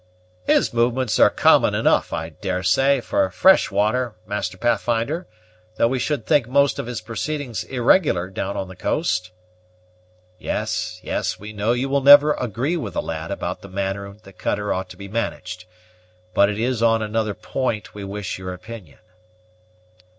"His movements are common enough, I daresay, for fresh water, Master Pathfinder, though we should think most of his proceedings irregular down on the coast." "Yes, yes; we know you will never agree with the lad about the manner the cutter ought to be managed; but it is on another point we wish your opinion."